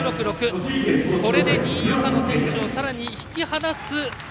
これで２位以下の選手をさらに引き離す